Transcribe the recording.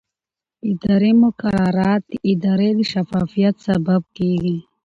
اداري مقررات د ادارې د شفافیت سبب کېږي.